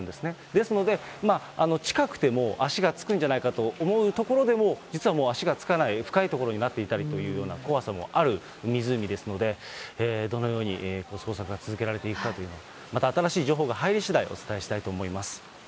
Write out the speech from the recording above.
ですので、近くても足がつくんじゃないかと思う所でも、実はもう足がつかない深い所になっていたりというような怖さもある湖ですので、どのように捜索が続けられていくかという、また新しい情報が入りしだい、お伝えしたいと思います。